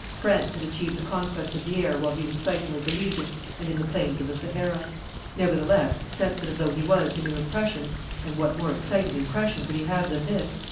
France had achieved the conquest of the air while he was fighting with the Legion and in the plains of the Sahara. Nevertheless, sensitive though he was to new impressions and what more exciting impression could he have than this?